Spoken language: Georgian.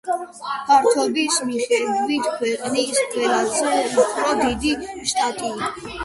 ფართობის მიხედვით ქვეყნის ყველაზე უფრო დიდი შტატი.